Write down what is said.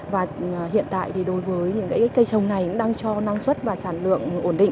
và hiện tại đối với những cây trồng này cũng đang cho năng suất và sản lượng